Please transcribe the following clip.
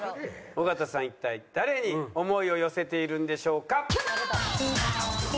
尾形さんは一体誰に思いを寄せているんでしょうか？